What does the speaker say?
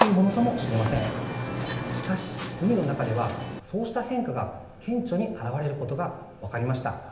しかし海の中ではそうした変化が顕著に現れることが分かりました。